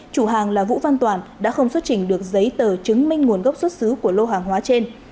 chủ hàng là vũ văn toàn đã không xuất trình được giấy tờ chứng minh nguồn gốc xuất xứ của lô hàng hóa trên